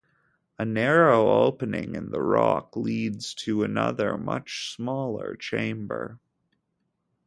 A narrow opening in the rock leads to another, much smaller chamber.